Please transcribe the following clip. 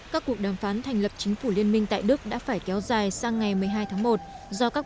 các cuộc đàm phán thành lập chính phủ liên minh tại đức đã phải kéo dài sang ngày một mươi hai tháng một do các